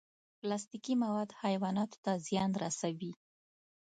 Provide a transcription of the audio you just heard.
پلاستيکي مواد حیواناتو ته زیان رسوي.